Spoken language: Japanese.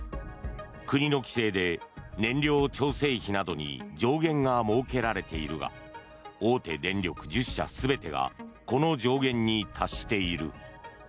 国の規制で燃料調整費などに上限が設けられているが大手電力１０社全てがこの上限に達している。